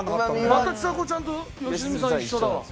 またちさ子ちゃんと良純さん一緒だわ。